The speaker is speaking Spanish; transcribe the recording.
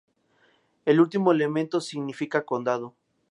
El último elemento significa condado.